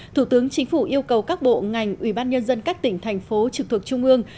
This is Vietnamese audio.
thủ tướng chính phủ yêu cầu các bộ ngành ủy ban nhân dân các tỉnh thành phố trực thuộc trung ương